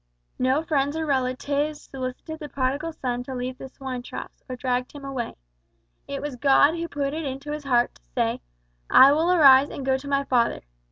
No relatives or friends solicited the Prodigal Son to leave the swine troughs, or dragged him away. It was God who put it into his heart to say `I will arise and go to my father.'